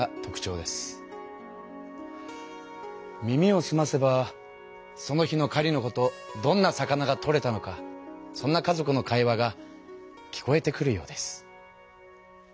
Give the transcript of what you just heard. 耳をすませばその日の狩りのことどんな魚が取れたのかそんな家族の会話が聞こえてくるようです。